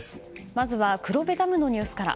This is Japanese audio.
まずは黒部ダムのニュースから。